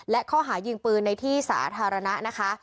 และข้อหายิงปืนในที่สาธารณะนะคะ